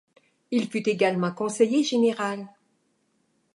Il fut également conseiller général.